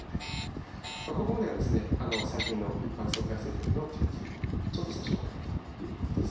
ここまでが最近の一般相対性理論の研究のちょっとした紹介ということです。